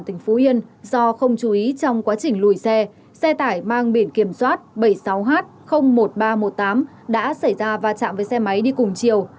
tỉnh phú yên do không chú ý trong quá trình lùi xe xe tải mang biển kiểm soát bảy mươi sáu h một nghìn ba trăm một mươi tám đã xảy ra va chạm với xe máy đi cùng chiều